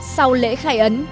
sau lễ khai ấn